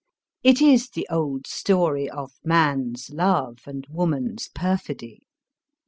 It is the old story of man's love and woman's perfidy.